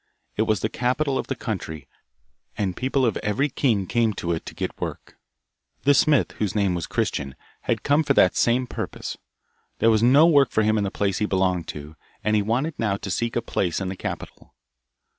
It was the capital of the country, and people of every king came to it to get work. This smith, whose name was Christian, had come for that same purpose. There was no work for him in the place he belonged to, and he wanted now to seek a place in the capital.